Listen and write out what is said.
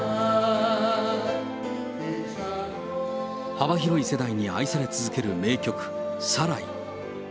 幅広い世代に愛され続ける名曲、サライ。